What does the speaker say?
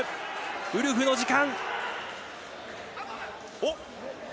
ウルフの時間。